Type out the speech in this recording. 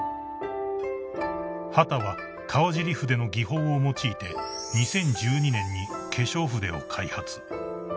［畑は川尻筆の技法を用いて２０１２年に化粧筆を開発］